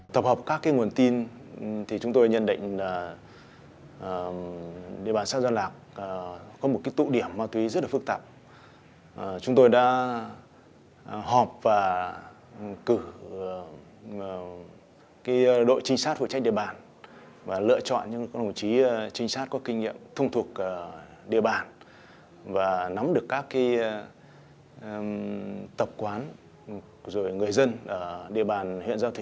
tập hợp các nguồn tin thì chúng tôi nhận định là địa bàn sao gian lạc có một tụ điểm tùy rất phức tạp